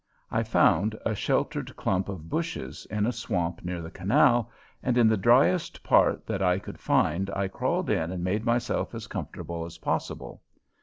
I found a sheltered clump of bushes in a swamp near the canal, and in the driest part that I could find I crawled in and made myself as comfortable as possible.